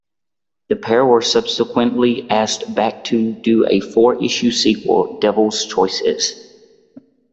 The pair were subsequently asked back to do a four-issue sequel, "Devil's Choices".